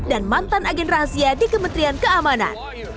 dan mantan agen rahasia di kementerian keamanan